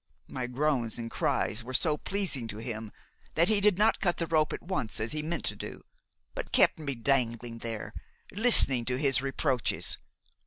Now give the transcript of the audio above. My groans and cries were so pleasing to him that he did not cut the rope at once as he meant to do, but kept me dangling there, listening to his reproaches.